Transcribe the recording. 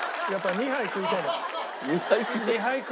２杯食いたいの。